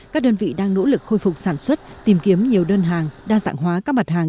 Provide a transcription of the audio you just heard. các đơn vị đang nỗ lực khôi phục sản xuất tìm kiếm nhiều đơn hàng đa dạng hóa các mặt hàng